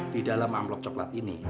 di dalam amplop coklat ini